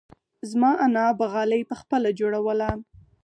زما انا به غالۍ پخپله جوړوله.